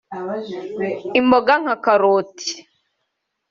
imboga nka karoti